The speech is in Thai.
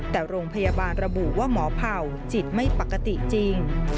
แต่โรงพยาบาลระบุว่าหมอเผ่าจิตไม่ปกติจริง